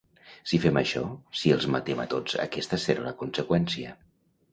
Si fem això, si els matem a tots aquesta serà la conseqüència.